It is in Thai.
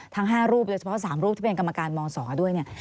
ทั้ง๕รูปโดยเฉพาะ๓รูปที่เป็นกรรมการมองสอด้วย